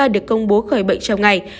được công bố khởi bệnh trong ngày